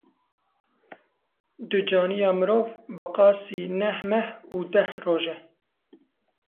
Ducaniya mirov bi qasî neh meh û deh roj e.